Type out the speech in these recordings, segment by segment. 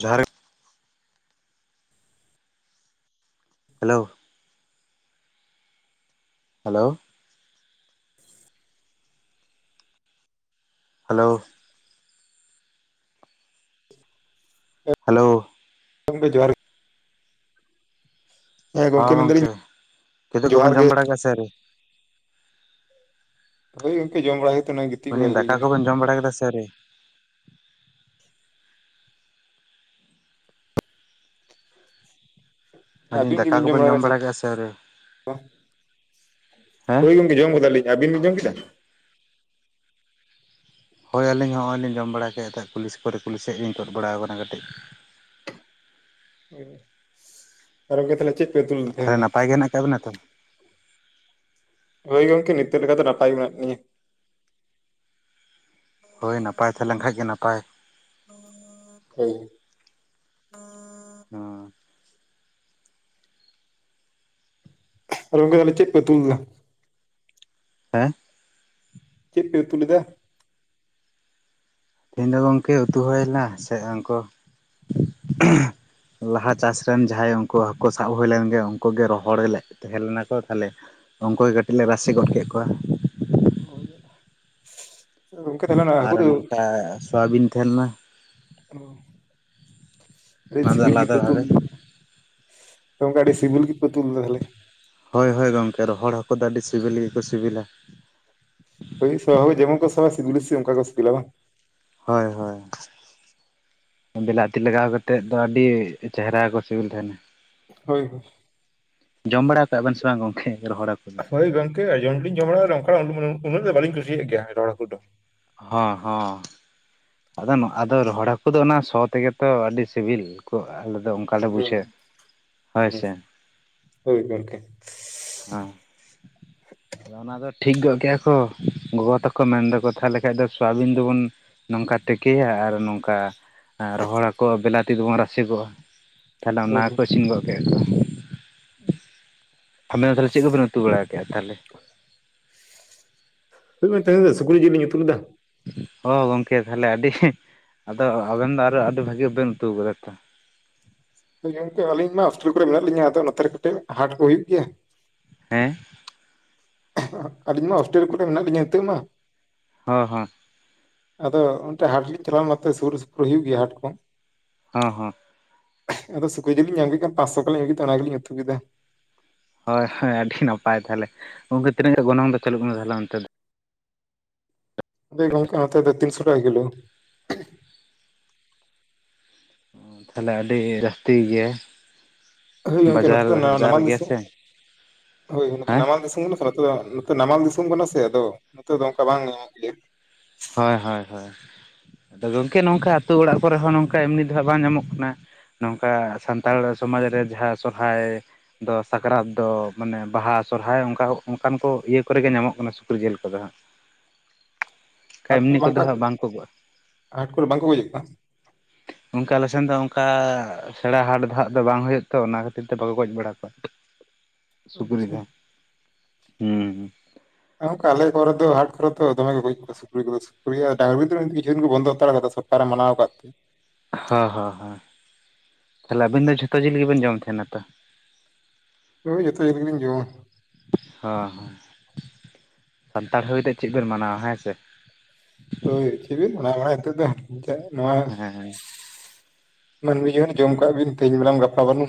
ᱡᱚᱦᱟᱨ ᱜᱮ᱾ Hello. Hello. Hello. Hello. ᱜᱚᱢᱠᱮ ᱡᱚᱦᱟᱨ ᱜᱮ᱾ ᱦᱮᱸ ᱦᱟᱸ ᱢᱮᱱᱫᱟᱞᱤᱧ ᱜᱚᱝᱠᱮ ᱠᱮᱫᱳᱜ ᱡᱚᱦᱟᱨ ᱠᱚᱵᱤᱱ ᱜᱮ ᱡᱚᱢ ᱵᱟᱲᱟ ᱠᱮᱜᱼᱟ ᱥᱮ ᱟᱹᱣᱨᱤ? ᱦᱳᱭ ᱜᱚᱢᱠᱮ ᱡᱚᱢ ᱵᱟᱲᱟ ᱦᱩᱭ ᱠᱟᱱᱟ ᱜᱤᱛ ᱜᱤᱛᱤᱡ ᱢᱮᱱ ᱵᱟᱲᱟ ᱫᱟᱹᱧ ᱫᱟᱠᱟ ᱠᱚᱵᱤᱱ ᱡᱚᱢ ᱵᱟᱲᱟ ᱠᱮᱫᱟ ᱥᱮ ᱟᱹᱣᱨᱤ? ᱢᱮᱱᱫᱟᱹᱧ ᱟᱹᱵᱤᱱ ᱫᱟᱠᱟ ᱜᱮᱵᱤᱱ ᱡᱚᱢ ᱠᱚᱵᱮᱱ ᱵᱟᱲᱟ ᱟᱠᱟᱫᱟ ᱥᱮ ᱠᱮᱫᱟ ᱟᱹᱣᱨᱤ ᱵᱟᱝ, ᱦᱮᱸ ᱦᱳᱭ ᱜᱚᱢᱠᱮ ᱡᱚᱢ ᱠᱮᱫᱟᱞᱤᱧ᱾ ᱟᱵᱤᱱ ᱵᱤᱱ ᱡᱚᱢ ᱠᱮᱫᱟ? ᱦᱳᱭ ᱟᱹᱞᱤᱧ ᱦᱚᱸᱜᱼᱚᱭ ᱞᱤᱧ ᱡᱚᱢ ᱵᱟᱲᱟ ᱠᱮᱫ ᱛᱮ ᱠᱩᱞᱤᱥ ᱠᱚᱨᱮ ᱠᱩᱞᱤ ᱥᱮᱫ ᱞᱤᱧ ᱛᱚᱫ ᱵᱟᱲᱟ ᱟᱠᱟᱱᱟ ᱠᱟᱹᱴᱤᱡ, [inaudible] ᱟᱨ ᱜᱚᱝᱠᱮ ᱛᱟᱦᱞᱮ ᱪᱮᱫ, ᱯᱮ ᱩᱛᱩ ᱞᱮᱫᱟ ᱛᱮᱦᱮᱧ ᱛᱟᱦᱚᱞᱮ ᱫᱚ ᱱᱟᱯᱟᱭ ᱜᱮ ᱦᱮᱱᱟᱜ ᱟᱠᱟᱫ ᱵᱤᱱᱟ ᱛᱚ? ᱦᱳᱭ ᱜᱚᱝᱠᱮ ᱱᱤᱛᱚᱜ ᱞᱮᱠᱟ ᱫᱚ ᱱᱟᱯᱟᱭ ᱜᱮ ᱢᱮᱱᱟᱜ ᱞᱤᱧᱟ ᱦᱳᱭ ᱱᱟᱯᱟᱭ ᱛᱟᱦᱮᱸ ᱞᱮᱱ ᱠᱷᱟᱡ ᱜᱮ ᱱᱟᱯᱟᱭ [unintelligible] ᱦᱚᱸ ᱟᱨ ᱜᱚᱢᱠᱮ ᱛᱟᱦᱞᱮ ᱪᱮᱫ ᱯᱮ ᱩᱛᱩ ᱞᱮᱫᱟ ᱦᱮᱸ ᱪᱮᱫ ᱯᱮ ᱩᱛᱩ ᱞᱮᱫᱟ ᱛᱮᱦᱮᱧ ᱫᱚ ᱜᱚᱢᱠᱮ ᱩᱛᱩ ᱦᱳᱭ ᱞᱮᱱᱟ ᱥᱮ ᱦᱟᱱᱠᱩ ᱞᱟᱦᱟ ᱪᱟᱥ ᱨᱮᱱ ᱡᱟᱦᱟᱸᱭ ᱩᱱᱠᱳ ᱦᱟᱠᱩ ᱥᱟᱵ ᱦᱳᱭ ᱞᱮᱱᱜᱮ ᱩᱱᱠᱳ ᱜᱮ ᱨᱚᱦᱚᱲ ᱞᱮᱫ ᱛᱟᱦᱮᱸ ᱞᱮᱱᱟᱠᱚ ᱛᱟᱦᱞᱮ ᱩᱱᱠᱳ ᱜᱮ ᱠᱟᱹᱴᱤᱡ ᱞᱮ ᱨᱟᱥᱮ ᱜᱚᱫ ᱠᱮᱫ ᱠᱚᱣᱟ ᱚ ᱡᱟᱞᱟ ᱜᱚᱝᱠᱮ ᱛᱟᱦᱞᱮ ᱦᱟᱹᱠᱩ ᱫᱚ [unintelligible] ᱥᱚᱣᱵᱤᱱ ᱛᱟᱦᱮ ᱞᱮᱱᱟ ᱚ ᱟᱹᱰᱤ ᱚᱱᱟ ᱫᱚ ᱥᱤᱵᱤᱞ ᱟᱞᱟᱫᱟ ᱜᱮᱯᱮ ᱩᱛᱩ ᱵᱷᱟᱵᱮ ᱞᱮᱜ ᱜᱚᱝᱠᱮ ᱟᱰᱤ ᱥᱤᱵᱤᱞ ᱜᱮᱯᱮ ᱛᱩᱞ ᱞᱮᱫᱟ ᱛᱟᱦᱞᱮ ᱦᱳᱭ ᱦᱳᱭ ᱜᱚᱢᱠᱮ ᱨᱚᱦᱚᱲ ᱦᱟᱠᱳ ᱫᱚ ᱟᱹᱰᱤ ᱥᱮᱵᱮᱞ ᱜᱮᱠᱚ ᱥᱤᱵᱤᱞᱟ ᱦᱳᱭ ᱥᱚ ᱦᱚᱸ ᱡᱮᱢᱚᱱ ᱠᱚ ᱥᱚᱣᱟ ᱥᱤᱵᱤᱞ ᱦᱚᱸ ᱚᱱᱠᱟ ᱠᱚ ᱥᱤᱵᱤᱞᱟ ᱵᱟᱝ ᱦᱳᱭ ᱦᱳᱭ ᱵᱤᱞᱟᱹᱛᱤ ᱞᱟᱜᱟᱣ ᱠᱟᱛᱮᱫ ᱫᱚ ᱟᱹᱰᱤ ᱪᱮᱦᱨᱟ ᱠᱚ ᱥᱤᱵᱤᱞ ᱛᱟᱦᱮᱱᱟ ᱦᱳᱭ ᱦᱳᱭ ᱡᱚᱢ ᱵᱟᱲᱟ ᱠᱟᱜ ᱵᱮᱱ ᱥᱮ ᱵᱟᱝ ᱜᱚᱝᱠᱮ ᱨᱚᱦᱚᱲ ᱦᱟᱹᱠᱩ ᱫᱚ ᱦᱳᱭ ᱜᱚᱝᱠᱮ ᱡᱚᱢ ᱫᱚᱞᱤᱧ ᱡᱚᱢ ᱵᱟᱲᱟ ᱠᱟᱜᱼᱟ ᱩᱸᱼᱩᱱᱟᱹᱜ ᱫᱚ ᱵᱟᱞᱤᱧ ᱠᱩᱥᱤᱭᱟᱜ ᱜᱮᱭᱟ ᱨᱚᱦᱚᱲ ᱦᱟᱹᱠᱩ ᱫᱚ ᱦᱚᱸ ᱦᱚᱸ ᱟᱫᱚ ᱟᱫᱚ ᱨᱚᱦᱚᱲ ᱦᱟᱹᱠᱩ ᱫᱚ ᱚᱱᱟ ᱥᱚ ᱛᱮᱜᱮ ᱛᱚ ᱟᱹᱰᱤ ᱥᱤᱵᱤᱞ ᱠᱚ ᱟᱞᱮ ᱫᱚ ᱚᱱᱠᱟ ᱞᱮ ᱦᱳᱭ ᱦᱩᱸ ᱵᱩᱡᱷᱟᱹᱣ ᱦᱚᱭ ᱥᱮ ᱦᱳᱭ ᱜᱚᱝᱠᱮ [unintelligible] ᱟᱫᱚ ᱚᱱᱟ ᱫᱚ ᱴᱷᱤᱠ ᱜᱚᱫ ᱠᱮᱜᱼᱟ ᱠᱚ ᱜᱚᱜᱚ ᱛᱟᱠᱚ ᱢᱮᱱ ᱫᱟᱠᱚ ᱛᱟᱦᱚᱞᱮ ᱠᱷᱟᱱ ᱫᱚ ᱥᱳᱣᱟᱵᱤᱱ ᱫᱚᱵᱚᱱ ᱱᱚᱝᱠᱟ ᱛᱮᱠᱮᱭᱟ ᱟᱨ ᱱᱚᱝᱠᱟ ᱨᱚᱦᱚᱲ ᱦᱟᱠᱳ ᱵᱮᱞᱟᱛᱤ ᱫᱚᱵᱚᱱ ᱨᱟᱥᱮ ᱠᱚᱣᱟ ᱛᱟᱦᱞᱮ ᱚᱱᱟ ᱦᱳᱭ ᱦᱳᱭ ᱜᱮᱠᱚ ᱤᱥᱤᱱ ᱜᱚᱫ ᱠᱮᱫ ᱠᱚᱣᱟ [inaudible] ᱟᱵᱮᱱ ᱫᱚ ᱛᱟᱦᱚᱞᱮ ᱪᱮᱫ ᱠᱚᱵᱤᱱ ᱩᱛᱩ ᱵᱟᱲᱟ ᱠᱮᱫᱼᱟ ᱛᱟᱦᱞᱮ? [unintelligible] ᱥᱩᱠᱨᱤ ᱡᱤᱞ ᱞᱤᱧ ᱩᱛᱩ ᱞᱮᱫᱟ᱾ ᱚ ᱜᱚᱝᱠᱮ ᱛᱟᱦᱚᱞᱮ ᱟᱹᱰᱤ ᱟᱫᱚ ᱟᱵᱮᱱ ᱫᱚ ᱟᱨᱚ ᱟᱹᱰᱤ ᱵᱷᱟᱜᱤ ᱵᱮᱱ ᱩᱛᱩ ᱟᱠᱟᱫᱟ ᱛᱚ᱾ ᱜᱚᱝᱠᱮ ᱟᱞᱤᱧ ᱢᱟ ᱦᱚᱥᱴᱮᱞ ᱠᱚᱨᱮ ᱢᱮᱱᱟᱜ ᱞᱤᱧᱟ, ᱟᱫᱚ ᱱᱚᱛᱮᱨᱮ ᱠᱟᱹᱴᱤᱡ ᱦᱟᱴ ᱠᱚ ᱦᱩᱭᱩᱜ ᱜᱮᱭᱟ᱾ ᱦᱮᱸ ᱟᱹᱞᱤᱧ ᱢᱟ ᱦᱳᱥᱴᱮᱞ ᱠᱚᱨᱮ ᱢᱮᱱᱟᱜ ᱞᱤᱧᱟ ᱱᱤᱛᱚᱜ ᱢᱟ᱾ ᱦᱚᱸ ᱦᱚᱸ᱾ ᱟᱫᱚ ᱚᱱᱛᱮ ᱦᱟᱴ ᱞᱤᱧ ᱪᱟᱞᱟᱣ ᱞᱮᱱᱟ ᱥᱩᱨ ᱥᱩᱯᱩᱨ ᱦᱩᱭᱩᱜ ᱜᱮᱭᱟ ᱦᱟᱴ ᱠᱚ ᱾ ᱦᱩᱸ ᱦᱩᱸ᱾ ᱟᱫᱚ ᱥᱩᱠᱨᱤ ᱡᱤᱞ ᱞᱤᱧ ᱧᱟᱢ ᱠᱮᱫ ᱠᱷᱟᱱ ᱯᱟᱸᱥᱚ ᱠᱚᱞᱤᱧ ᱟᱹᱜᱩ ᱠᱮᱫᱟ ᱚᱱᱟ ᱜᱮᱞᱤᱧ ᱩᱛᱩ ᱠᱮᱫᱟ᱾ ᱦᱳᱭ ᱦᱳᱭ ᱟᱹᱰᱤ ᱱᱟᱯᱟᱭ ᱛᱟᱦᱞᱮ᱾ ᱜᱚᱝᱠᱮ ᱛᱤᱱᱟᱹᱜ ᱜᱟᱱ ᱜᱚᱱᱚᱝ ᱫᱚ ᱪᱟᱹᱞᱩᱜ ᱠᱟᱱᱟ ᱛᱟᱦᱞᱮ ᱚᱱᱛᱮ? ᱜᱚᱝᱠᱮ ᱱᱚᱛᱮ ᱫᱚ ᱛᱤᱱᱥᱚ ᱴᱟᱠᱟ ᱠᱤᱞᱳ᱾ ᱛᱟᱦᱞᱮ ᱟᱹᱰᱤ ᱡᱟᱹᱥᱛᱤ ᱜᱤᱭᱟᱹ ᱦᱳᱭ ᱜᱚᱝᱠᱮ ᱱᱚᱛᱮ ᱫᱚ ᱱᱟ-ᱱᱟᱢᱟᱞ ᱜᱮᱭᱟ ᱫᱤᱥᱚᱢ ᱥᱮ ᱦᱳᱭ ᱦᱮᱸ ᱱᱟᱢᱟᱞ ᱫᱤᱥᱚᱢ [unintelligible] ᱱᱚᱛᱮ ᱱᱟᱢᱟᱞ ᱫᱤᱥᱚᱢ ᱠᱟᱱᱟ ᱥᱮ ᱟᱫᱚ ᱱᱚᱛᱮ ᱫᱚ ᱚᱝᱟ ᱵᱟᱝ ᱧᱟᱢᱚᱜ ᱜᱮᱭᱟ᱾ ᱦᱚᱭ ᱦᱚᱭ ᱦᱚᱭ᱾ ᱟᱫᱚ ᱜᱚᱝᱠᱮ ᱱᱚᱝᱠᱟ ᱟᱹᱛᱩ ᱚᱲᱟᱜ ᱠᱚᱨᱮ ᱦᱚᱸ ᱱᱚᱝᱠᱟ ᱮᱢᱱᱤ ᱫᱚ ᱦᱟᱸᱜ ᱵᱟᱝ ᱧᱟᱢᱚᱜ ᱠᱟᱱᱟ᱾ ᱱᱚᱝᱠᱟ ᱥᱟᱱᱛᱟᱲ ᱥᱚᱢᱟᱡᱽ ᱨᱮ ᱡᱟᱦᱟᱸ ᱥᱚᱨᱦᱟᱭ ᱫᱚ ᱥᱟᱠᱨᱟᱛ ᱫᱚ ᱢᱟᱱᱮ ᱵᱟᱦᱟ ᱥᱚᱨᱦᱟᱭ ᱚᱝᱠᱟ ᱚᱱᱠᱟᱱ ᱠᱚ ᱤᱭᱟᱹ ᱠᱚᱨᱮ ᱜᱮ ᱧᱟᱢᱚᱜ ᱠᱟᱱᱟ ᱥᱩᱠᱨᱤ ᱡᱤᱞ ᱠᱚᱫᱚ ᱦᱟᱸᱜ᱾ ᱦᱟᱴ ᱠᱚᱨᱮ ᱮᱢᱱᱤ ᱵᱟᱝᱠᱚ ᱠᱚᱫᱚ ᱦᱟᱜ ᱵᱟᱝ ᱠᱚ ᱜᱚ ᱦᱟᱴ ᱠᱚᱨᱮ ᱵᱟᱝᱠᱚ ᱜᱚᱡᱮᱫ ᱠᱚᱣᱟ ᱱᱚᱝᱠᱟ ᱟᱞᱮᱥᱮᱱ ᱫᱚ ᱚᱱᱠᱟ ᱥᱮᱬᱟ ᱦᱟᱴ ᱫᱚ ᱦᱟᱜ ᱫᱚ ᱵᱟᱝ ᱦᱩᱭᱩᱜ-ᱟ ᱛᱚ ᱚᱱᱟ ᱠᱷᱟᱹᱛᱤᱨ ᱛᱮ ᱵᱟᱠᱚ ᱜᱚᱡᱽ ᱵᱟᱲᱟ ᱠᱚᱣᱟ᱾ ᱥᱩᱠᱨᱤ ᱟᱪᱪᱷᱟ᱾ ᱫᱚ, ᱦᱩᱸ᱾ ᱱᱚᱝᱠᱟ ᱟᱞᱮ ᱠᱚᱨᱮ ᱫᱚ ᱦᱟᱴ ᱠᱚᱨᱮ ᱛᱚ ᱫᱚ ᱫᱚᱢᱮ ᱠᱚ ᱜᱚᱡᱽ ᱠᱚ ᱥᱩᱠᱨᱤ ᱠᱚᱫᱚ ᱥᱩᱠᱨᱤ ᱰᱟᱝᱨᱤ ᱫᱚ ᱠᱤᱪᱷᱩᱤᱱ ᱠᱚ ᱵᱚᱱᱫᱚ ᱦᱟᱛᱟᱲ ᱠᱟᱫᱟ ᱥᱚᱨᱠᱟᱨ ᱮ ᱢᱟᱱᱟᱣ ᱟᱠᱟᱫ ᱛᱮ᱾ ᱦᱚᱸ ᱦᱚᱸ ᱦᱚᱸ᱾ ᱛᱟᱦᱚᱞᱮ ᱟᱹᱵᱤᱱ ᱫᱚ ᱡᱷᱚᱛᱚ ᱡᱤᱞ ᱜᱮᱵᱮᱱ ᱡᱚᱢ ᱛᱟᱦᱮᱱᱟ ᱛᱚ? ᱦᱳᱭ ᱡᱷᱚᱛᱚ ᱡᱮᱞ ᱜᱮᱞᱤᱧ ᱡᱚᱢᱟ᱾ ᱦᱚᱸ ᱦᱚᱸ, ᱥᱟᱱᱛᱟᱲ ᱦᱳᱭ ᱛᱮ ᱪᱮᱫ ᱵᱮᱱ ᱢᱟᱱᱟᱣᱟ ᱦᱮᱸ ᱥᱮ? ᱦᱳᱭ ᱪᱮᱜ ᱵᱤᱱ ᱢᱟᱱᱟᱣ ᱵᱟᱲᱟᱭ ᱱᱤᱛᱳᱜ ᱫᱚ ᱚᱱᱟ ᱱᱚᱣᱟ ᱦᱮᱸ ᱢᱟᱹᱱᱢᱤ ᱡᱚᱱᱚᱢ ᱡᱚᱢ ᱠᱟᱜ ᱵᱤᱱ ᱛᱮᱦᱮᱧ ᱢᱮᱱᱟᱢ ᱜᱟᱯᱟ ᱵᱟᱹᱱᱩᱢ᱾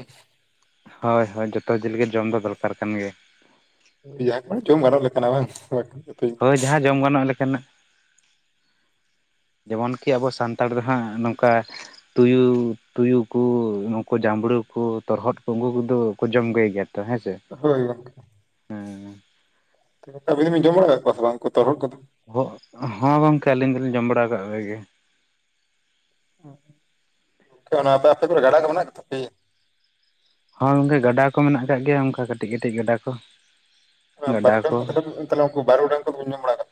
ᱦᱳᱭ ᱦᱳᱭ ᱡᱚᱛᱚ ᱡᱤᱞ ᱜᱮ ᱡᱚᱢ ᱫᱚ ᱫᱚᱨᱠᱟᱨ ᱠᱟᱱ ᱜᱮᱭᱟ᱾ ᱡᱟᱦᱟ ᱠᱚ ᱡᱚᱢ ᱜᱟᱱᱚᱜ ᱞᱮᱠᱟᱱᱟᱜ ᱵᱟᱝ ᱜᱮ᱾ ᱦᱳᱭ ᱡᱟᱦᱟᱸ ᱡᱚᱢ ᱜᱟᱱᱚᱜ ᱞᱮᱠᱟᱱᱟᱜ᱾ ᱡᱮᱢᱚᱱ ᱠᱤ ᱟᱵᱚ ᱥᱟᱱᱛᱟᱲ ᱫᱚ ᱦᱟᱸᱜ ᱱᱚᱝᱠᱟ ᱛᱩᱭᱩ ᱛᱩᱭᱩ ᱠᱩ ᱩᱱᱠᱩ ᱡᱟᱸᱵᱽᱲᱩ ᱠᱚ ᱛᱚᱨᱦᱚᱫ ᱠᱚ ᱩᱱᱠᱩ ᱠᱚᱫᱚ ᱠᱚ ᱡᱚᱢ ᱠᱚ ᱜᱮᱭᱟ? ᱛᱚ ᱦᱮᱸᱥᱮ? ᱦᱳᱭ ᱜᱚᱝᱠᱮ᱾ ᱛᱚ ᱟᱵᱤᱱ ᱫᱚᱵᱤᱱ ᱡᱚᱢ ᱵᱟᱲᱟ ᱠᱟᱫ ᱠᱚᱣᱟ ᱵᱟᱝ ᱩᱱᱠᱩ ᱛᱚᱨᱦᱚᱫ ᱠᱚᱫᱚ? ᱦᱚᱸ ᱜᱚᱝᱠᱮ ᱟᱹᱞᱤᱧ ᱫᱚᱞᱤᱧ ᱡᱚᱢ ᱵᱟᱲᱟᱣ ᱠᱟᱜ ᱠᱚᱜᱮ ᱜᱮᱭᱟ᱾ ᱚᱱᱟ ᱟᱯᱮ ᱟᱛᱩ ᱠᱚ ᱨᱮ ᱜᱟᱰᱟ ᱠᱚ ᱢᱮᱱᱟᱜ ᱛᱟᱯᱮᱭᱟ? ᱦᱳᱭ ᱜᱚᱝᱠᱮ ᱜᱟᱰᱟ ᱠᱚ ᱢᱮᱱᱟᱜ ᱟᱠᱟᱫ ᱜᱮᱭᱟ ᱚᱝᱠᱟ ᱠᱟᱴᱤᱡ ᱠᱟᱹᱴᱤᱡ ᱜᱟᱰᱟ ᱠᱚ᱾ ᱵᱟᱨᱩᱰᱟᱝ ᱠᱚ ᱛᱟᱦᱞᱮ ᱵᱤᱱ ᱛᱟᱦᱞᱮ ᱩᱝᱠᱩ ᱵᱟᱩᱰᱟᱝ ᱠᱚ ᱫᱚ ᱵᱤᱱ ᱡᱚᱢ ᱵᱟᱲᱟ ᱟᱠᱟᱫ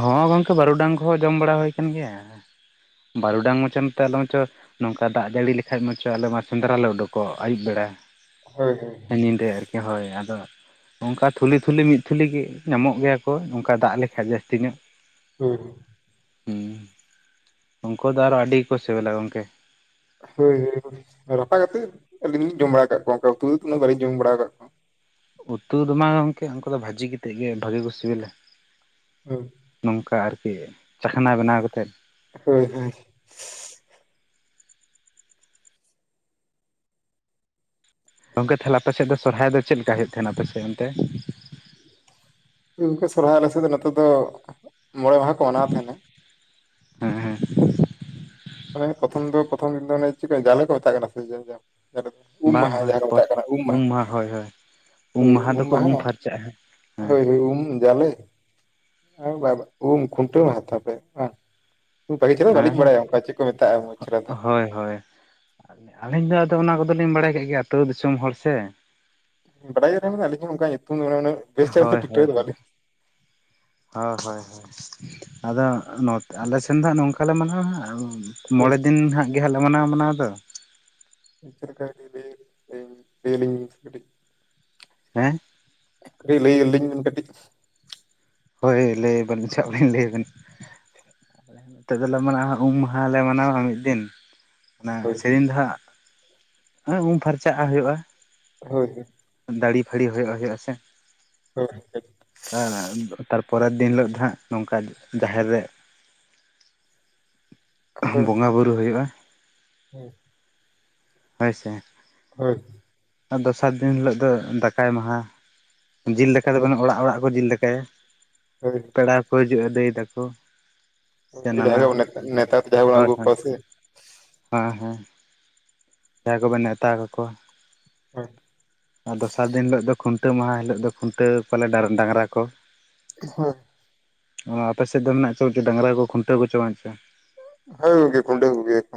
ᱦᱚᱸ ᱜᱚᱝᱠᱮ ᱵᱟᱹᱨᱩᱰᱟᱝ ᱠᱚᱦᱚᱸ ᱡᱚᱢ ᱵᱟᱲᱟ ᱦᱩᱭ ᱠᱟᱱ ᱜᱮᱭᱟ᱾ ᱵᱟᱨᱩᱰᱟᱝ ᱢᱟᱪᱚ ᱱᱚᱛᱮ ᱟᱞᱮ ᱱᱚᱛᱮ ᱢᱟᱪᱚ ᱱᱚᱝᱠᱟ ᱫᱟᱜ ᱡᱟᱹᱲᱤ ᱞᱮᱠᱷᱟᱡ ᱢᱟᱪᱚ ᱟᱞᱮ ᱢᱟ ᱥᱮᱸᱫᱽᱨᱟ ᱞᱮ ᱩᱰᱩᱠᱚᱜ ᱟᱹᱭᱩᱵ ᱵᱮᱲᱟ᱾ ᱦᱳᱭ ᱦᱳᱭ᱾ ᱧᱤᱫᱟᱹ ᱟᱨᱠᱤ ᱦᱚᱭ ᱟᱫᱚ, ᱚᱝᱠᱟ ᱛᱷᱩᱞᱤ ᱛᱷᱩᱞᱤ ᱢᱤᱫ ᱛᱷᱩᱞᱤ ᱜᱤ ᱧᱟᱢᱚᱜ ᱜᱮᱭᱟ ᱠᱚ ᱚᱝᱠᱟ ᱫᱟᱜ ᱞᱮᱠᱷᱟᱡ ᱡᱟᱹᱥᱛᱤ ᱧᱚᱜ᱾ ᱦᱩᱸ ᱦᱩᱸ ᱦᱩᱸ ᱩᱝᱠᱩ ᱫᱚ ᱟᱨᱚ ᱟᱹᱰᱤ ᱜᱮᱠᱚ ᱥᱤᱵᱤᱞᱟ ᱜᱚᱝᱠᱮ᱾ ᱦᱳᱭ ᱦᱳ ᱨᱟᱯᱷᱟ ᱠᱟᱛᱮᱫ ᱟᱹᱞᱤᱧ ᱞᱤᱧ ᱡᱚᱢ ᱵᱟᱲᱟᱣ ᱟᱠᱟᱫ ᱠᱚᱣᱟ ᱚᱱᱠᱟ ᱩᱛᱩ ᱠᱟᱛᱮ ᱢᱟ ᱵᱟᱹᱞᱤᱧ ᱡᱚᱢ ᱵᱟᱲᱟ ᱟᱠᱟᱫ ᱠᱚᱣᱟ᱾ ᱩᱛᱩ ᱫᱚ ᱵᱟᱝ ᱜᱚᱝᱠᱮ ᱩᱱᱠᱩ ᱫᱚ ᱵᱷᱟᱹᱡᱤ ᱠᱟᱛᱮ ᱜᱮ ᱵᱷᱟᱜᱮ ᱠᱚ ᱥᱤᱵᱤᱞᱟ᱾ [unintelligible] ᱱᱚᱝᱠᱟ ᱟᱨᱠᱤ ᱪᱟᱠᱷᱱᱟ ᱵᱮᱱᱟᱣ ᱠᱟᱛᱮᱫ᱾ ᱦᱳᱭ ᱦᱮᱸ᱾ ᱜᱚᱝᱠᱮ ᱛᱟᱦᱞᱮ ᱟᱯᱮ ᱥᱮᱫ ᱫᱚ ᱥᱚᱨᱦᱟᱭ ᱫᱚ ᱪᱮᱫ ᱞᱮᱠᱟ ᱦᱩᱭᱩᱜ ᱛᱟᱦᱮᱱᱟ ᱟᱯᱮᱥᱮᱫ ᱚᱱᱛᱮ? ᱜᱚᱝᱠᱮ ᱥᱚᱦᱨᱟᱭ ᱟᱞᱮᱥᱮᱫ ᱫᱚ ᱱᱚᱛᱮ ᱫᱚ ᱢᱚᱬᱮ ᱢᱟᱦᱟ ᱠᱚ ᱢᱟᱱᱟᱣ ᱛᱟᱦᱮᱱᱟ᱾ ᱦᱮᱸ ᱦᱮᱸ ᱟᱱᱮ ᱯᱨᱚᱛᱷᱚᱢ ᱫᱚ ᱯᱨᱚᱛᱷᱚᱢ ᱫᱤᱱ ᱫᱚ ᱚᱱᱮ ᱪᱮᱫ ᱠᱟ ᱡᱟᱞᱮ ᱠᱚ ᱢᱮᱛᱟᱜ ᱠᱟᱱᱟ ᱥᱮᱫᱤᱱ ᱜᱮ᱾ ᱡᱟᱦᱟᱸ ᱨᱮ ᱩᱢ ᱵᱟᱝ ᱵᱟᱝ ᱢᱟᱦᱟᱸ ᱠᱚ ᱢᱮᱛᱟᱜ ᱠᱟᱱᱟ ᱩᱢ ᱢᱟᱦᱟ᱾ ᱩᱢ ᱢᱟᱦᱟ ᱫᱚᱠᱩ ᱩᱢ ᱯᱷᱟᱨᱪᱟᱜᱼᱟ ᱦᱟᱸᱜ᱾ ᱦᱳᱭ ᱦᱳᱭ ᱩᱢ ᱡᱟᱞᱮ [inaudible] ᱩᱢ ᱠᱷᱩᱱᱴᱟᱹᱣ ᱦᱟᱛᱟᱣ ᱯᱚᱨᱮ ᱵᱟᱝ? ᱵᱷᱟᱹᱜᱤ ᱪᱮᱦᱟᱨᱟ ᱵᱟᱞᱤᱧ ᱵᱟᱲᱟᱭᱟ ᱦᱮᱸ ᱚᱱᱠᱟ ᱪᱮᱫ ᱠᱚ ᱢᱮᱛᱟᱜᱼᱟ ᱩᱱᱟᱹᱜ ᱪᱮᱨᱟ ᱫᱚ᱾ ᱦᱳᱭ ᱦᱳᱭ᱾ ᱟᱹᱞᱤᱧ ᱫᱚ ᱟᱫᱚ ᱚᱱᱟ ᱠᱚᱫᱚᱞᱤᱧ ᱵᱟᱲᱟᱭ ᱠᱮᱫ ᱜᱮᱭᱟ ᱟᱹᱛᱩ ᱫᱤᱥᱚᱢ ᱦᱚᱲ ᱥᱮ᱾ ᱵᱟᱰᱟᱭ ᱨᱮᱦᱚ ᱞᱤᱧ ᱟᱹᱞᱤᱧ ᱦᱚ ᱚᱱᱠᱟ ᱜᱮ ᱧᱩᱛᱩᱢ ᱚᱱᱮ ᱚᱱᱟ ᱵᱮᱥ ᱪᱮᱦᱨᱟ ᱫᱚ ᱦᱳᱭ ᱴᱷᱤᱠ-ᱴᱷᱟᱠ ᱦᱳᱭ ᱫᱚ ᱵᱟᱞᱤᱧ ᱦᱳᱭ ᱦᱳᱭ ᱦᱳᱭ ᱟᱫᱚ ᱱᱚᱛᱮ ᱟᱞᱮᱥᱮᱱ ᱫᱚ ᱱᱚᱝᱠᱟᱞᱮ ᱢᱟᱱᱟᱣᱟ ᱦᱟᱸᱜ ᱦᱳᱭ ᱢᱚᱬᱮ ᱫᱤᱱ ᱜᱮ ᱦᱟᱸᱜ ᱜᱮᱞᱮ ᱢᱟᱱᱟᱣᱟ ᱢᱟᱱᱟᱣ ᱫᱚ᱾ ᱪᱮᱫ ᱞᱮᱠᱟ ᱞᱮᱭᱮᱤᱧ ᱞᱮᱭᱮᱤᱧ ᱞᱮᱭ ᱟᱞᱤᱧ ᱵᱤᱱ ᱠᱟᱹᱴᱤᱡ᱾ ᱦᱮᱸ? ᱠᱟᱹᱴᱤᱡ ᱞᱟᱹᱭᱟᱞᱤᱧ ᱵᱤᱱ ᱠᱟᱹᱴᱤᱡ᱾ ᱦᱳᱭ ᱞᱟᱹᱭᱟᱵᱤᱱ ᱪᱟᱜ ᱵᱟᱹᱞᱤᱧ ᱞᱟᱹᱭ ᱟᱵᱤᱱ ᱱᱚᱛᱮ ᱫᱚᱞᱮ ᱢᱟᱱᱟᱣᱟ ᱩᱢ ᱢᱟᱦᱟᱞᱮ ᱢᱟᱱᱟᱣᱟ ᱢᱤᱫ ᱫᱤᱱ, ᱚᱱᱟ ᱦᱳᱭ ᱥᱮᱨᱮᱧ ᱫᱚ ᱦᱟᱸᱜ ᱩᱢ ᱯᱷᱟᱨᱪᱟᱜ ᱦᱩᱭᱩᱜᱼᱟ, ᱦᱳᱭ ᱦᱳᱭ᱾ ᱫᱟᱹᱲᱤ ᱯᱷᱟᱹᱲᱤ ᱦᱚᱭᱚᱜ ᱦᱩᱭᱩᱜᱼᱟ ᱥᱮ ᱦᱳᱭ [inaudible] [inaudible] ᱛᱟᱨᱯᱚᱨᱮᱨ ᱫᱤᱱ ᱦᱤᱞᱳᱜ ᱫᱚ ᱦᱟᱸᱜ ᱱᱚᱝᱠᱟ ᱡᱟᱦᱮᱨ ᱨᱮ ᱵᱚᱸᱜᱟ ᱵᱩᱨᱩ ᱦᱩᱭᱩᱜᱼᱟ᱾ ᱦᱩᱸ᱾ ᱦᱳᱭ ᱥᱮ? ᱦᱳᱭ᱾ ᱟᱨ ᱫᱚᱥᱟᱨ ᱫᱤᱱ ᱦᱤᱞᱳᱜ ᱫᱚ ᱫᱟᱠᱟᱭ ᱢᱟᱦᱟ ᱡᱤᱞ ᱫᱟᱠᱟ ᱫᱚ ᱦᱳᱭ ᱵᱟᱹᱱᱩᱜ ᱚᱲᱟᱜ ᱚᱲᱟᱜ ᱠᱚ ᱡᱤᱞ ᱫᱟᱠᱟᱭᱟ᱾ ᱦᱳᱭ᱾ ᱯᱮᱲᱟ ᱠᱚ ᱦᱤᱡᱩᱜ-ᱟ ᱫᱟᱹᱭ ᱛᱟᱠᱚ᱾ ᱥᱮ ᱱᱟᱱᱟ ᱡᱟᱦᱟᱸᱭ ᱵᱚᱱ ᱦᱳᱭ ᱱᱮᱛᱟᱨ ᱡᱟᱦᱟᱸᱭ ᱵᱚᱱ ᱦᱳᱭ ᱟᱹᱜᱩ ᱠᱚᱣᱟ ᱥᱮ ᱦᱮᱸ ᱦᱮᱸ᱾ ᱡᱟᱦᱟᱸᱭ ᱠᱚᱵᱮᱱ ᱱᱮᱶᱛᱟ ᱠᱟᱠᱚᱣᱟ ᱟᱨ ᱫᱚᱥᱟᱨ ᱫᱤᱱ ᱦᱤᱞᱳᱜ ᱫᱚ ᱠᱷᱩᱱᱴᱟᱹᱣ ᱢᱟᱦᱟ ᱦᱤᱞᱳᱜ ᱫᱚ ᱠᱷᱩᱱᱴᱟᱹᱣ ᱯᱟᱞᱮ ᱰᱟᱝᱨᱟ ᱠᱚ ᱦᱳᱭ᱾ ᱚ ᱟᱯᱮ ᱥᱮᱫ ᱫᱚ ᱢᱮᱱᱟᱜ ᱰᱟᱝᱨᱟ ᱠᱚ ᱠᱷᱩᱱᱴᱟᱹᱣ ᱠᱚᱪᱚ ᱵᱟᱝ ᱪᱚ? ᱦᱳᱭ ᱜᱚᱝᱠᱮ ᱠᱷᱩᱱᱴᱟᱹᱣ ᱠᱚᱜᱮ ᱭᱟᱠᱚ᱾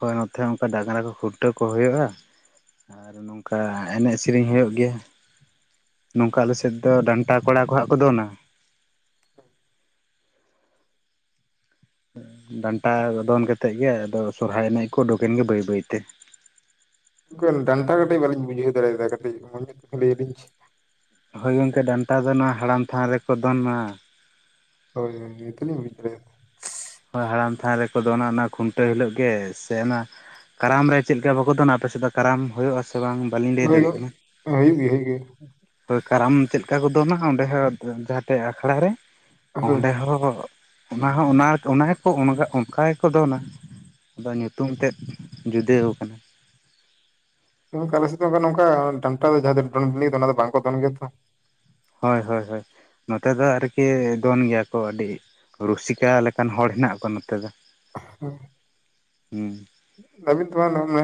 ᱦᱳᱭ ᱱᱚᱛᱮ ᱚᱝᱠᱟ ᱰᱟᱝᱨᱟ ᱠᱚ ᱠᱷᱩᱱᱴᱟᱹᱣ ᱠᱚ ᱦᱩᱭᱩᱜᱼᱟ, ᱟᱨ ᱱᱚᱝᱠᱟ ᱮᱱᱮᱡ ᱥᱮᱨᱮᱧ ᱦᱩᱭᱩᱜ ᱜᱮᱭᱟ᱾ ᱱᱚᱝᱠᱟ ᱟᱞᱮ ᱥᱮᱫ ᱫᱚ ᱰᱟᱱᱴᱟ ᱠᱚᱲᱟ ᱠᱚᱣᱟᱜ ᱦᱟᱸᱜ ᱠᱚ ᱫᱚᱱᱟ, ᱰᱟᱱᱴᱟ ᱫᱚᱱ ᱠᱟᱛᱮᱜ ᱜᱮ ᱟᱫᱚ ᱥᱚᱨᱦᱟᱭ ᱮᱱᱮᱡ ᱠᱚ ᱩᱰᱩᱠᱮᱱ ᱜᱮ ᱵᱟᱹᱭ ᱵᱟᱹᱭᱛᱮ᱾ ᱜᱚᱢᱠᱮ ᱰᱟᱱᱴᱟ ᱠᱟᱹᱴᱤᱡ ᱵᱟᱞᱤᱧ ᱵᱩᱡᱷᱟᱹᱣ ᱫᱟᱲᱮᱭᱟᱫᱟ ᱠᱟᱹᱴᱤᱡ [unintelligible] ᱞᱟᱹᱭ ᱟᱞᱤᱧ ᱦᱳᱭ ᱜᱚᱢᱠᱮ ᱰᱟᱱᱴᱟ ᱫᱚ ᱱᱚᱣᱟ ᱦᱟᱲᱟᱢ ᱛᱷᱟᱱ ᱨᱮᱠᱚ ᱫᱷᱚᱱᱟ᱾ ᱦᱳᱭ ᱦᱳᱭ ᱱᱤᱛᱚᱜ ᱞᱤᱧ ᱵᱩᱡ ᱫᱟᱲᱮᱭᱟᱫᱟ᱾ ᱦᱳᱭ ᱦᱟᱲᱟᱢ ᱛᱷᱟᱱ ᱨᱮᱠᱚ ᱫᱚᱱ ᱚᱱᱟ ᱠᱷᱩᱱᱴᱟᱹᱣ ᱦᱤᱞᱳᱜ ᱜᱮ ᱥᱮ ᱚᱱᱟ ᱠᱟᱨᱟᱢ ᱨᱮ ᱪᱮᱫ ᱞᱮᱠᱟ ᱵᱟᱠᱚ ᱫᱚᱟᱱᱟ ᱟᱯᱮ ᱥᱮᱫ ᱫᱚ ᱠᱟᱨᱟᱢ ᱦᱩᱭᱩᱜᱼᱟᱥᱮ ᱵᱟᱝ? ᱵᱟᱹᱞᱤᱧ ᱞᱟᱹᱭ ᱦᱳᱭ ᱫᱟᱲᱮᱜ ᱦᱩᱭᱩᱜ ᱠᱟᱱᱟ᱾ ᱜᱮᱭᱟ ᱦᱩᱭᱩᱜ ᱜᱮᱭᱟ ᱦᱳᱭ ᱠᱟᱨᱟᱢ ᱪᱮᱫ ᱞᱮᱠᱟ ᱠᱚ ᱫᱚᱱᱟ ᱚᱸᱰᱮ ᱦᱚ ᱡᱟᱦᱟᱸ ᱴᱤᱡ ᱟᱠᱷᱲᱟ ᱨᱮ ᱚᱸᱰᱮ ᱦᱳᱭ ᱦᱚᱸ ᱚᱱᱟᱦᱚᱸ ᱚᱱᱟ ᱚᱱᱟᱜᱮᱠᱚ ᱚᱱᱠᱟ ᱚᱱᱠᱟᱜᱮᱠᱚ ᱫᱚᱱᱟ᱾ ᱟᱫᱚ ᱧᱩᱛᱩᱢ ᱛᱮᱫ ᱡᱩᱫᱟᱹᱣ ᱠᱟᱱᱟ᱾ ᱦᱚᱭ ᱜᱚᱝᱠᱮ ᱟᱞᱮᱥᱮᱜ ᱫᱚ ᱱᱚᱝᱠᱟ ᱰᱟᱱᱴᱟ ᱫᱚ ᱡᱟᱦᱟᱸ ᱫᱚᱱ ᱚᱱᱟ ᱫᱚ ᱵᱟᱝᱠᱚ ᱫᱚᱱ ᱜᱮᱭᱟ ᱛᱚ᱾ ᱦᱳᱭ ᱦᱳᱭ ᱦᱳᱭ, ᱱᱚᱛᱮ ᱫᱚ ᱟᱨᱠᱤ ᱫᱚᱱ ᱜᱮᱭᱟ ᱠᱚ ᱟᱹᱰᱤ ᱨᱩᱥᱤᱠᱟ ᱞᱮᱠᱟᱱ ᱦᱚᱲ ᱦᱮᱱᱟᱜ ᱠᱚᱣᱟ ᱱᱚᱛᱮ ᱫᱚ᱾ ᱦᱮᱸ, ᱦᱩᱸ ᱟᱹᱵᱤᱱ ᱛᱟᱱᱮ ᱢᱟᱱᱮ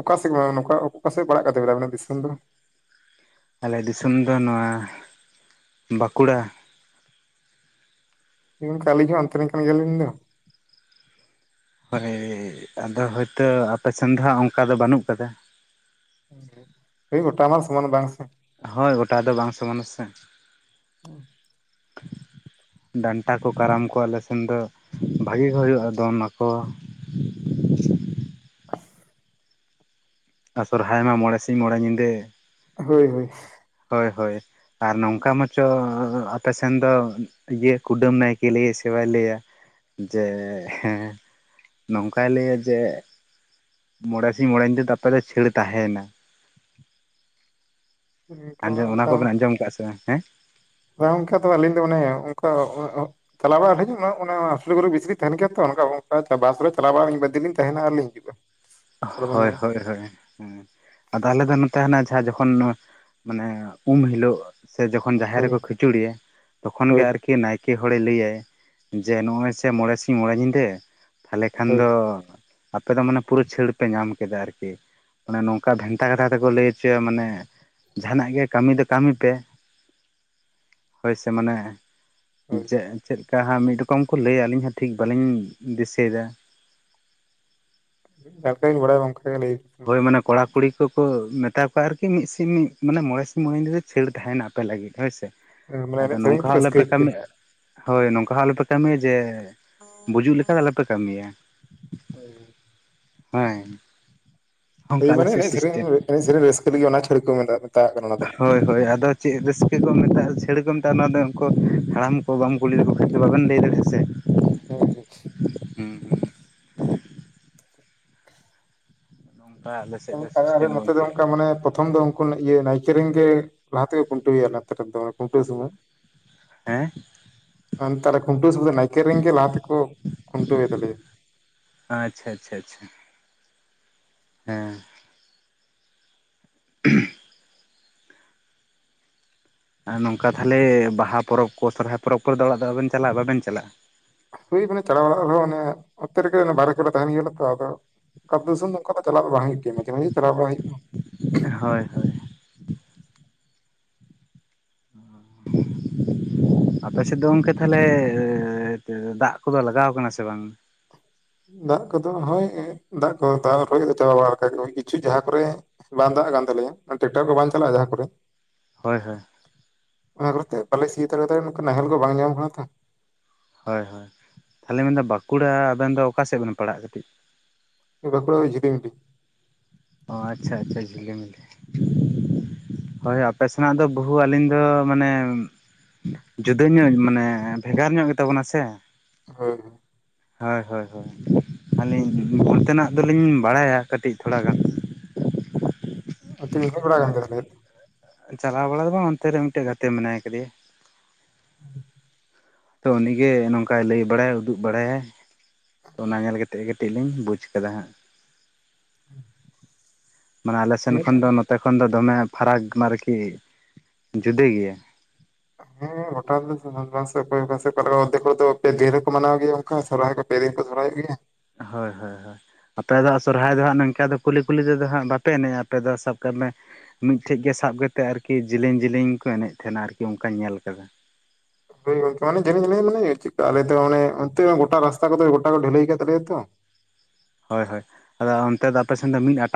ᱚᱠᱟᱥᱮᱜ ᱚᱠᱟ ᱚᱠᱟᱥᱮᱜ ᱯᱟᱲᱟᱜ ᱠᱟᱱ ᱛᱟᱹᱵᱤᱱᱟ ᱟᱹᱵᱤᱱᱟᱜ ᱫᱤᱥᱚᱢ ᱫᱚ? ᱟᱞᱮ ᱫᱤᱥᱚᱢ ᱫᱚ ᱱᱚᱣᱟ ᱵᱟᱸᱠᱩᱲᱟ᱾ ᱦᱚᱭ ᱜᱚᱝᱠᱮ ᱟᱞᱤᱧ ᱦᱚᱸ ᱚᱱᱛᱮᱨᱮᱱ ᱠᱟᱱ ᱜᱮᱭᱟᱞᱤᱧ ᱫᱚ᱾ ᱦᱳᱭ ᱦᱳᱭ ᱦᱳᱭ ᱟᱫᱚ ᱦᱚᱭᱛᱚ ᱟᱯᱮᱥᱮᱱ ᱫᱚ ᱦᱟᱸᱜ ᱚᱝᱠᱟ ᱫᱚ ᱵᱟᱹᱱᱩᱜ ᱠᱟᱫᱟ, ᱦᱮᱸ ᱜᱚᱴᱟᱢᱟᱞ ᱥᱚᱢᱟᱱ ᱵᱟᱝ ᱥᱮ, ᱦᱳᱭ ᱜᱚᱴᱟ ᱫᱚ ᱵᱟᱝ ᱥᱚᱢᱟᱱᱟ ᱥᱮ᱾ ᱩᱸ, ᱰᱟᱱᱴᱟ ᱠᱚ ᱠᱟᱨᱟᱢ ᱠᱚ ᱟᱞᱮ ᱥᱮᱱ ᱫᱚ ᱵᱷᱟᱹᱜᱤ ᱜᱮ ᱦᱩᱭᱩᱜᱼᱟ ᱫᱚᱱ ᱱᱟᱠᱚ᱾ [inaudible] ᱟᱨ ᱥᱚᱨᱦᱟᱭ ᱢᱟ ᱢᱚᱬᱮ ᱥᱤᱧ ᱢᱚᱬᱮ ᱧᱤᱫᱟᱹ ᱦᱚᱭ ᱦᱚᱭ, ᱦᱳᱭ ᱦᱳᱭ ᱟᱨ ᱱᱚᱝᱠᱟ ᱢᱟᱪᱚ ᱟᱯᱮᱥᱮᱱ ᱫᱚ ᱤᱭᱟᱹ ᱠᱩᱰᱟᱹᱢ ᱱᱟᱭᱠᱮ ᱞᱟᱹᱭᱟᱭ ᱥᱮ ᱵᱟᱭ ᱞᱟᱹᱭᱟ ᱡᱮ ᱦᱮᱸ ᱱᱚᱝᱠᱟᱭ ᱞᱟᱹᱭᱟ ᱡᱮ ᱢᱚᱬᱮ ᱥᱤᱧ ᱢᱚᱬᱮ ᱧᱤᱫᱟᱹ ᱫᱟᱛᱟᱞᱮ ᱪᱷᱟᱹᱲ ᱛᱟᱦᱮᱸᱭ ᱱᱟ᱾ ᱟᱸᱡᱚᱢ ᱚᱱᱟ ᱠᱚᱵᱮᱱ ᱟᱸᱡᱚᱢ ᱠᱟᱜᱼᱟ ᱥᱮ ᱵᱟᱝ? ᱦᱮᱸ ᱦᱚᱭ ᱜᱚᱝᱠᱮ ᱛᱚᱵᱮ ᱟᱹᱞᱤᱧ ᱫᱚ ᱢᱟᱱᱮ ᱚᱝᱠᱟ ᱚᱜᱼᱚᱜ ᱪᱟᱞᱟᱣ ᱵᱟᱲᱟ ᱦᱤᱡᱩᱜ ᱚᱱᱟ ᱚᱱᱟ ᱥᱤᱞᱤᱜᱩᱨᱤ ᱵᱤᱥᱨᱤ ᱛᱟᱦᱮᱸᱱ ᱜᱮᱭᱟ ᱛᱚ ᱚᱝᱠᱟ ᱚᱝᱠᱟ ᱵᱟᱥ ᱨᱮ ᱪᱟᱞᱟᱣ ᱵᱟᱲᱟ ᱵᱟᱨ ᱫᱤᱱ ᱞᱤᱧ ᱛᱟᱦᱮᱸᱱᱟ ᱟᱨᱞᱤᱧ ᱦᱤᱡᱩᱜᱼᱟ᱾ ᱟᱫᱚ ᱢᱟᱱᱮ ᱦᱳᱭ ᱦᱳᱭ ᱦᱳᱭ ᱦᱮᱸ, ᱟᱫᱚ ᱟᱞᱮ ᱫᱚ ᱱᱚᱛᱮ ᱛᱟᱦᱮᱸᱱᱟ ᱡᱟᱦᱟᱸ ᱡᱚᱠᱷᱚᱱ ᱢᱟᱱᱮ ᱩᱢ ᱦᱤᱞᱳᱜ᱾ ᱥᱮ ᱡᱚᱠᱷᱚᱱ ᱡᱟᱦᱮᱨ ᱦᱳᱭ ᱨᱮᱠᱚ ᱠᱷᱤᱪᱩᱲᱮᱭᱟ ᱛᱚᱠᱷᱚᱱ ᱜᱮ ᱦᱳᱭ ᱟᱨᱠᱤ ᱱᱟᱭ ᱠᱮ ᱦᱚᱲᱮ ᱞᱟᱹᱭᱟᱭ ᱡᱮ ᱱᱚᱜᱼᱚᱭ ᱥᱮ ᱢᱚᱬᱮ ᱥᱤᱧ ᱢᱚᱬᱮ ᱧᱤᱫᱟᱹ ᱛᱟᱦᱚᱞᱮ ᱠᱷᱟᱱ ᱦᱳᱭ ᱫᱚ ᱟᱯᱮ ᱫᱚ ᱢᱟᱱᱮ ᱯᱩᱨᱟᱹ ᱪᱷᱟᱹᱲ ᱯᱮ ᱧᱟᱢ ᱠᱮᱫᱟ ᱟᱨᱠᱤ ᱢᱟᱱᱮ ᱱᱚᱝᱠᱟ ᱵᱷᱮᱱᱛᱟ ᱠᱟᱛᱷᱟ ᱛᱮᱠᱚ ᱞᱟᱹᱭ ᱚᱪᱚᱭᱟ ᱢᱟᱱᱮ, ᱡᱟᱦᱟᱸᱱᱟᱜ ᱜᱮ ᱠᱟᱹᱢᱤ ᱫᱚ ᱠᱟᱹᱢᱤ ᱯᱮ ᱦᱳᱭ ᱥᱮ ᱢᱟᱱᱮ ᱦᱳᱭ ᱡᱮ ᱪᱮᱫᱞᱮᱠᱟ ᱦᱟᱸᱜ ᱢᱤᱫ ᱨᱚᱠᱚᱢ ᱠᱚ ᱞᱟᱹᱭᱟ ᱟᱹᱞᱤᱧ ᱦᱚᱸ ᱴᱷᱤᱠ ᱵᱟᱹᱞᱤᱧ ᱫᱤᱥᱟᱹᱭ ᱫᱟ᱾ ᱫᱟᱞᱠᱮᱧ ᱵᱟᱰᱟᱭᱟ ᱜᱚᱝᱠᱮ [unintelligible] ᱞᱟᱹᱭ ᱦᱳᱭ ᱢᱟᱱᱮ ᱠᱚᱲᱟ ᱠᱩᱲᱤ ᱠᱚᱠᱚ ᱢᱮᱛᱟ ᱠᱚᱣᱟ ᱟᱨᱠᱤ ᱢᱤᱜ ᱥᱤᱧ ᱢᱟᱱᱮ ᱢᱚᱬᱮ ᱥᱤᱧ ᱧᱤᱫᱟᱹ ᱫᱚ ᱪᱷᱟᱹᱲ ᱛᱟᱦᱮᱸᱱᱟ ᱟᱯᱮ ᱞᱟᱹᱜᱤᱫ ᱦᱳᱭ ᱥᱮ᱾ ᱢᱟᱱᱮ ᱟᱫᱚ ᱮᱱᱮᱡ ᱥᱮᱨᱮᱧ ᱱᱚᱝᱠᱟ ᱛᱮ ᱦᱚᱸ ᱟᱞᱚᱯᱮ ᱨᱟᱹᱥᱠᱟᱹᱭ ᱯᱮ ᱠᱟᱹᱢᱤ ᱦᱳᱭ ᱱᱚᱝᱠᱟ ᱦᱚᱸ ᱟᱞᱚᱯᱮ ᱠᱟᱹᱢᱤᱭᱟ ᱡᱮ ᱵᱩᱡᱩᱜ ᱞᱮᱠᱟ ᱫᱚ ᱟᱞᱚᱯᱮ ᱠᱟᱹᱢᱤᱭᱟ᱾ ᱦᱮᱸ, ᱦᱚᱸ ᱦᱮᱧ, ᱦᱚᱭ ᱢᱟᱱᱮ ᱮᱱᱮᱜ ᱥᱮᱨᱮᱧ ᱮᱱᱮᱜ ᱥᱮᱨᱮᱧ ᱨᱟᱹᱥᱠᱟᱹ ᱞᱟᱹᱜᱤᱫ ᱚᱱᱟ ᱪᱷᱟᱹᱲᱤ ᱠᱚ [unintelligible] ᱫᱚ ᱦᱳᱭ ᱦᱳᱭ, ᱟᱫᱚ ᱪᱮᱜ ᱨᱟᱹᱥᱠᱟᱹ ᱠᱚ ᱢᱮᱛᱟᱜᱼᱟ ᱪᱟᱹᱲ ᱠᱚ ᱢᱮᱛᱟᱜᱼᱟ ᱚᱱᱟ ᱫᱚ ᱩᱱᱠᱩ ᱦᱟᱲᱟᱢ ᱠᱚ ᱵᱟᱢ ᱠᱩᱞᱤ ᱞᱮᱠᱚ ᱠᱷᱟᱭ ᱫᱚ ᱵᱟᱵᱮᱱ ᱞᱟᱹᱭ ᱫᱟᱲᱮᱭᱟᱜᱼᱟ ᱥᱮ? ᱦᱳᱭ ᱦᱳᱭ᱾ ᱦᱩᱸ ᱦᱩᱸ, ᱱᱚᱝᱠᱟ ᱟᱞᱮ ᱥᱮ ᱚᱝᱠᱟ ᱟᱞᱮ ᱱᱚᱛᱮ ᱫᱚ ᱚᱝᱠᱟ ᱢᱟᱱᱮ ᱯᱨᱚᱛᱷᱚᱢ ᱫᱚᱢ ᱠᱚ ᱤᱭᱟᱹ ᱱᱟᱭᱠᱮ ᱨᱮᱱ ᱜᱮ ᱞᱟᱦᱟᱛᱮ ᱠᱷᱩᱱᱴᱟᱣ ᱮᱭᱟ [unintelligible] ᱫᱚ ᱠᱷᱩᱱᱴᱟᱣ ᱥᱚᱢᱚᱭ᱾ ᱦᱮᱸ ᱾ ᱟᱨ ᱛᱟᱦᱚᱞᱮ ᱠᱷᱩᱱᱴᱟᱹᱣ [inaudible] ᱱᱟᱭᱠᱮ ᱨᱮᱱ ᱜᱮ ᱞᱟᱦᱟᱛᱮ ᱠᱚ ᱠᱷᱩᱱᱴᱟᱹᱣ ᱮᱛᱟᱞᱮᱭᱟ ᱾ ᱟᱪᱪᱷᱟ ᱟᱪᱪᱷᱟ ᱟᱪᱪᱷᱟ ᱾ ᱦᱮᱸ ᱾ ᱟᱨ ᱱᱚᱝᱠᱟ ᱛᱟᱦᱚᱞᱮ ᱵᱟᱦᱟ ᱯᱚᱨᱚᱵ ᱠᱚ ᱥᱚᱨᱦᱟᱭ ᱯᱚᱨᱚᱵ ᱠᱚᱨᱮ ᱫᱚ ᱟᱫᱚ ᱵᱟᱵᱮᱱ ᱪᱟᱞᱟᱜ ᱵᱟᱵᱮᱱ ᱪᱟᱞᱟᱜᱼᱟ ᱾ ᱦᱩᱭ ᱢᱟᱱᱮ ᱪᱟᱞᱟᱣ ᱵᱟᱲᱟᱜ ᱨᱮᱦᱚᱸ ᱢᱟᱱᱮ ᱚᱱᱛᱮ ᱨᱮᱜᱮ ᱵᱟᱨᱦᱮ ᱠᱚᱨᱮ ᱛᱟᱦᱮᱱ ᱜᱮᱭᱟ ᱞᱮ ᱛᱚ, ᱟᱫᱚ ᱚᱠᱟ ᱫᱤᱥᱚᱢ ᱫᱚ ᱚᱝᱠᱟ ᱫᱚ ᱪᱟᱞᱟᱜ ᱫᱚ ᱵᱟᱝ ᱦᱩᱭᱩᱜ ᱜᱤᱭᱟ ᱢᱟᱡᱷᱮ ᱢᱟᱡᱷᱮ ᱪᱟᱞᱟᱣ ᱵᱟᱲᱟ ᱦᱩᱭᱩᱜᱼᱟ ᱾ ᱦᱳᱭ ᱦᱳᱭ ᱾ [unintelligible] ᱟᱯᱮ ᱥᱮᱫ ᱫᱚ ᱜᱚᱝᱠᱮ ᱛᱟᱦᱚᱞᱮᱻ ᱫᱟᱜ ᱠᱚᱫᱚ ᱞᱟᱜᱟᱣ ᱠᱟᱱᱟ ᱥᱮ ᱵᱟᱝ? ᱫᱟᱜ ᱠᱚᱫᱚ ᱦᱳᱭ ᱫᱟᱜ ᱠᱚ ᱛᱟᱦᱚᱸ ᱨᱚᱦᱚᱭ ᱫᱚ ᱪᱟᱵᱟ ᱵᱟᱲᱟᱠ ᱞᱮᱠᱟ ᱜᱮ ᱠᱤᱪᱷᱩ ᱡᱟᱦᱟᱸ ᱠᱚᱨᱮ ᱵᱟᱝ ᱫᱟᱜ ᱟᱠᱟᱱ ᱛᱟᱞᱮᱭᱟ ᱚᱱᱛᱮ ᱴᱮᱠᱴᱟᱨ ᱠᱚ ᱵᱟᱝ ᱪᱟᱞᱟᱜᱼᱟ ᱡᱟᱦᱟᱸ ᱠᱚᱨᱮ ᱦᱳᱭ ᱦᱳᱭ ᱾ ᱚᱱᱟ ᱠᱟᱨᱚᱱ ᱛᱮ ᱵᱟᱞᱮ ᱥᱤ ᱦᱟᱛᱟᱲ ᱫᱟᱛᱚ ᱚᱱᱠᱟ ᱱᱟᱦᱮᱞ ᱠᱚ ᱵᱟᱝ ᱧᱟᱢ ᱠᱟᱱᱟ ᱛᱚ᱾ ᱦᱳᱭ ᱦᱳᱭ ᱛᱟᱦᱚᱞᱮ ᱢᱮᱱᱫᱟ ᱵᱟᱸᱠᱩᱲᱟ ᱟᱵᱮᱱ ᱫᱚ ᱚᱠᱟ ᱥᱮᱫ ᱵᱮᱱ ᱯᱟᱲᱟᱜ ᱠᱟᱹᱴᱤᱡ? ᱳᱭ ᱵᱟᱸᱠᱩᱲᱟ ᱡᱷᱤᱞᱤᱢᱤᱞᱤ ᱾ ᱚ ᱟᱪᱪᱷᱟ ᱟᱪᱪᱷᱟ ᱡᱷᱤᱞᱤᱢᱤᱞᱤ ᱾ ᱦᱳᱭ ᱟᱯᱮ ᱥᱮᱱᱟᱜ ᱫᱚ ᱵᱚᱦᱩ ᱟᱹᱞᱤᱧ ᱫᱚ ᱢᱟᱱᱮ ᱡᱩᱫᱟᱹ ᱧᱚᱜ ᱢᱟᱱᱮ ᱵᱷᱮᱜᱟᱨ ᱧᱚᱜ ᱜᱮ ᱛᱟᱵᱚᱱᱟ ᱥᱮ [unintelligible] ᱦᱳᱭ ᱦᱳᱭ ᱦᱳᱭ ᱟᱹᱞᱤᱧ ᱚᱱᱛᱮ ᱱᱟᱜ ᱫᱚᱞᱤᱧ ᱵᱟᱲᱟᱭᱟ ᱠᱟᱹᱴᱤᱡ ᱛᱷᱚᱲᱟ ᱜᱟᱱ ᱾ ᱚᱱᱟᱛᱮ [unintelligible] ᱪᱟᱞᱟᱣ ᱵᱟᱲᱟ ᱫᱚ ᱵᱟᱝ ᱚᱱᱛᱮ ᱨᱮ ᱢᱤᱫᱴᱮᱱ ᱜᱟᱛᱮ ᱢᱮᱱᱟᱭ ᱠᱟᱫᱤᱭᱟ᱾ [unintelligible] ᱛᱚ ᱩᱱᱤᱜᱮ ᱱᱚᱝᱠᱟᱭ ᱞᱟᱹᱭ ᱵᱟᱲᱟᱭᱟ ᱩᱫᱩᱜ ᱵᱟᱲᱟᱭᱟᱭ ᱾ ᱛᱚ ᱚᱱᱟ ᱧᱮᱞ ᱠᱟᱛᱮ ᱠᱟᱹᱴᱤᱡ ᱞᱤᱧ ᱵᱩᱡᱽ ᱠᱟᱫᱟ ᱦᱟᱸᱜ ᱾ ᱢᱟᱱᱮ ᱟᱞᱮ ᱥᱮᱱ ᱠᱷᱚᱱ ᱫᱚ ᱱᱚᱛᱮ ᱠᱷᱚᱱ ᱫᱚ ᱫᱚᱢᱮ ᱯᱷᱟᱨᱟᱠ ᱟᱨᱠᱤ ᱡᱩᱫᱟᱹ ᱜᱮᱭᱟ ᱾ [unintelligible] [inaudible] ᱦᱳᱭ ᱦᱳᱭ ᱦᱳᱭ ᱾ ᱟᱯᱮ ᱫᱚ ᱥᱚᱨᱦᱟᱭ ᱫᱚ ᱦᱟᱸᱜ ᱱᱚᱝᱠᱟ ᱫᱚ ᱠᱩᱞᱦᱤ ᱠᱩᱞᱦᱤ ᱛᱮᱫᱚ ᱦᱟᱸᱜ ᱵᱟᱯᱮ ᱮᱱᱮᱡᱼᱟ ᱟᱯᱮ ᱫᱚ ᱥᱟᱵ ᱠᱟᱜ ᱢᱮ ᱢᱤᱫᱴᱷᱮᱡ ᱜᱮ ᱥᱟᱵ ᱠᱟᱛᱮᱫ ᱟᱨᱠᱤ ᱡᱮᱞᱮᱧ ᱡᱮᱞᱮᱧ ᱠᱚ ᱮᱱᱮᱡ ᱛᱟᱦᱮᱱᱟ ᱟᱨᱠᱤ ᱚᱱᱠᱟᱧ ᱧᱮᱞ ᱟᱠᱟᱫᱟ᱾ ᱦᱳᱭ ᱜᱚᱝᱠᱮ ᱢᱟᱱᱮ ᱡᱮᱞᱮᱧ ᱡᱮᱞᱮᱧ ᱢᱟᱱᱮ ᱪᱮᱠᱠᱟ ᱟᱞᱮ ᱫᱚ ᱢᱟᱱᱮ ᱚᱱᱛᱮ ᱜᱚᱴᱟ ᱨᱟᱥᱛᱟ ᱠᱚᱫᱚ ᱜᱚᱴᱟ ᱠᱚ ᱰᱷᱟᱹᱞᱟᱹᱭ ᱠᱟᱜ ᱛᱟᱞᱮᱭᱟ ᱛᱚ ᱾ ᱦᱳᱭ ᱦᱳᱭ ᱟᱫᱚ ᱚᱱᱛᱮ ᱟᱯᱮ ᱥᱮᱱ ᱫᱚ ᱢᱤᱫ ᱟᱴᱟᱞ